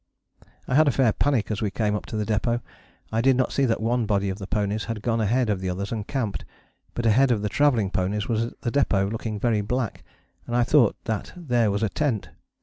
I had a fair panic as we came up to the depôt. I did not see that one body of the ponies had gone ahead of the others and camped, but ahead of the travelling ponies was the depôt, looking very black, and I thought that there was a tent.